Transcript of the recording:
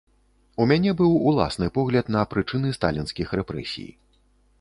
У мяне быў уласны погляд на прычыны сталінскіх рэпрэсій.